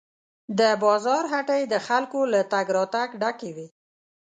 د بازار هټۍ د خلکو له تګ راتګ ډکې وې.